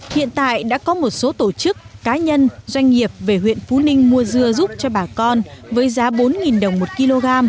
hiện tại đã có một số tổ chức cá nhân doanh nghiệp về huyện phú ninh mua dưa giúp cho bà con với giá bốn đồng một kg